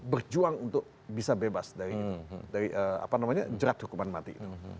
bisa bebas dari apa namanya jerat hukuman mati